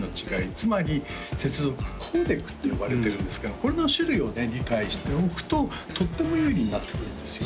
つまり接続コーデックって呼ばれてるんですがこれの種類をね理解しておくととっても有利になってくるんですよ